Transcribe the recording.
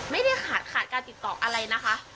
ไม่ได้ขาดขาดการติดต่ออะไรนะคะ